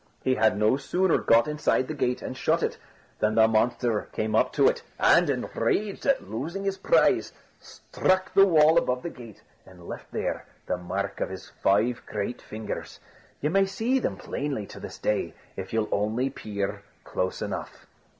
He had no sooner got inside the gate, and shut it, than the apparition came up to it; and, enraged at losing his prize, struck the wall above the gate, and left there the mark of his five great fingers. Ye may see them plainly to this day, if ye'll only peer close enough.